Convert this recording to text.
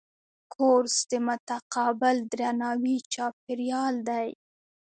کورس د متقابل درناوي چاپېریال دی.